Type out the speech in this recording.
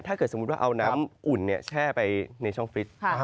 ถ้าเกิดสมมติว่าเอาน้ำอุ่นแช่ไปในช่องฟลิช